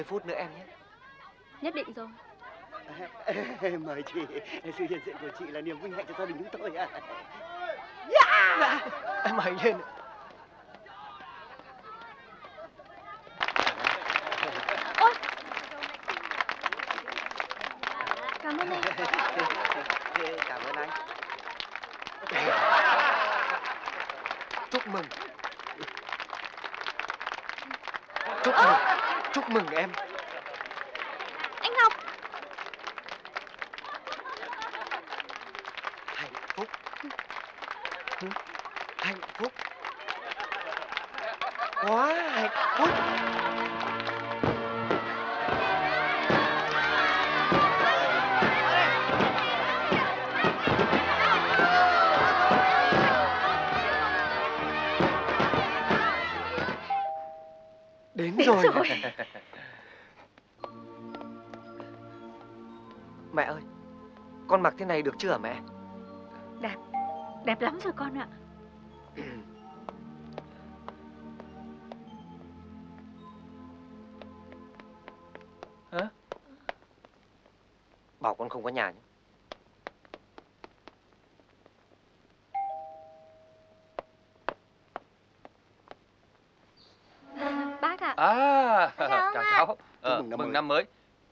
ui dời ơi